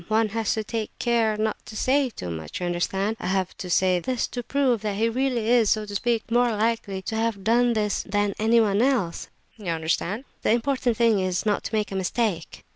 One has to take care not to say too much, you understand? I say this to prove that he really is, so to speak, more likely to have done this than anyone else, eh? You understand? The important thing is, not to make a mistake."